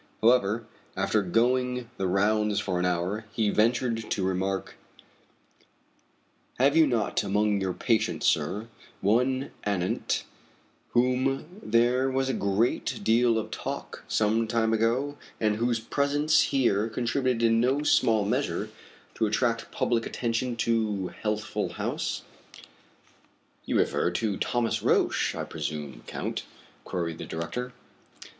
However, after going the rounds for an hour he ventured to remark: "Have you not among your patients, sir, one anent whom there was a great deal of talk some time ago, and whose presence here contributed in no small measure to attract public attention to Healthful House?" "You refer to Thomas Roch, I presume, Count?" queried the director.